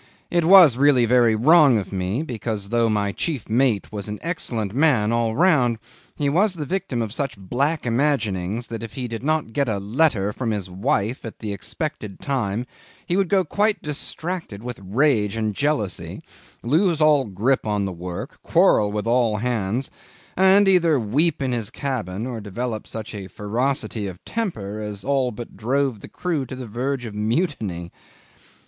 It was really very wrong of me, because, though my chief mate was an excellent man all round, he was the victim of such black imaginings that if he did not get a letter from his wife at the expected time he would go quite distracted with rage and jealousy, lose all grip on the work, quarrel with all hands, and either weep in his cabin or develop such a ferocity of temper as all but drove the crew to the verge of mutiny.